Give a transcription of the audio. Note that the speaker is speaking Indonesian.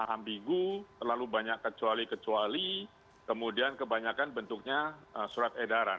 ambigu terlalu banyak kecuali kecuali kemudian kebanyakan bentuknya surat edaran